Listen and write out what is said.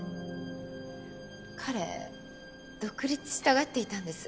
彼独立したがっていたんです。